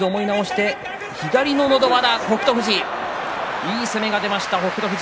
いい攻めが出ました北勝富士。